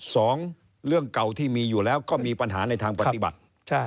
สองเรื่องเก่าที่มีอยู่แล้วก็มีปัญหาในทางปฏิบัติ